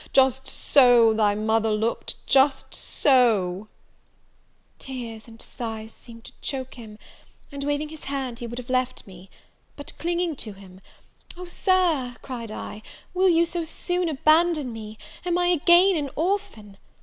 just so thy mother looked, just so " Tears and sighs seemed to choak him; and, waving his hand, he would have left me; but, clinging to him, "Oh, Sir," cried I, "will you so soon abandon me? am I again an orphan!